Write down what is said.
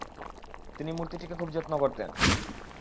তিনি মূর্তিটিকে খুব যত্ন করতেন।